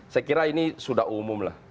saya kira ini sudah umum lah